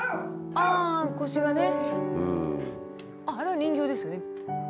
あれは人形ですね。